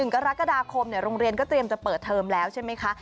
กรกฎาคมโรงเรียนก็เตรียมจะเปิดเทอมแล้วใช่ไหมคะ